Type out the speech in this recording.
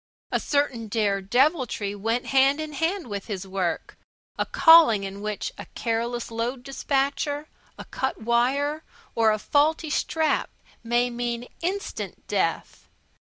A certain dare deviltry went hand in hand with his work a calling in which a careless load dispatcher, a cut wire, or a faulty strap may mean instant death.